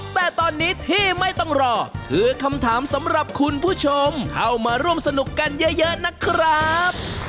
แต่ตอนนี้ที่ไม่ต้องรอคือคำถามสำหรับคุณผู้ชมเข้ามาร่วมสนุกกันเยอะนะครับ